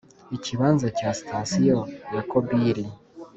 Ikibanza cya sitasiyo ya Kobili